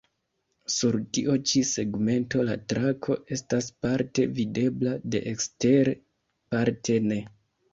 Sur tiu ĉi segmento, la trako estas parte videbla de ekstere, parte ne.